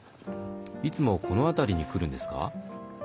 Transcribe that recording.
いつもこの辺りに来るんですか？